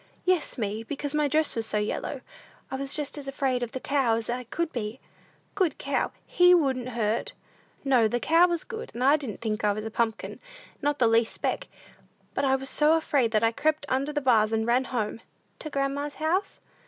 "Yes, me, because my dress was so yellow. I was just as afraid of the cow as I could be." "Good cow! He wouldn't hurt!" "No, the cow was good, and didn't think I was a pumpkin, not the least speck. But I was so afraid, that I crept under the bars, and ran home." "To grandma's house?"